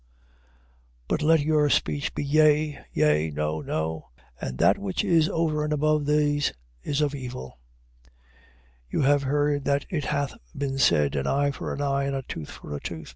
But let your speech be yea, yea: no, no: and that which is over and above these, is of evil. 5:38. You have heard that it hath been said: An eye for an eye, and a tooth for a tooth. 5:39.